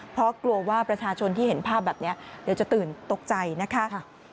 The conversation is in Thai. เพราะกลัวว่าประชาชนที่เห็นภาพแบบนี้เดี๋ยวจะตื่นตกใจนะคะ